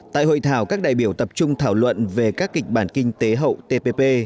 tại hội thảo các đại biểu tập trung thảo luận về các kịch bản kinh tế hậu tpp